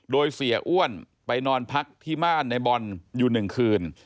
โดยเสียอ้วนไปนอนพักที่บ้านในบอลอยู่๑คืน